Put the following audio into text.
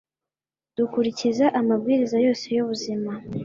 dukurikiza amabwiriza yose yubuzima